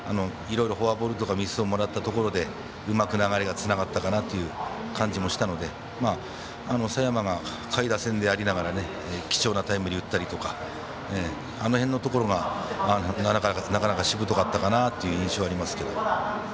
いろいろフォアボールとかミスをもらったところでうまく流れがつながったかなという感じもしたので佐山が下位打線でありながら貴重なタイムリーを打ったりあの辺のところがなかなかしぶとかったかなという印象があります。